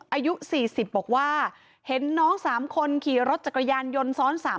อายุ๔๐บอกว่าเห็นน้อง๓คนขี่รถจักรยานยนต์ซ้อน๓